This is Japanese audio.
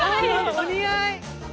お似合い。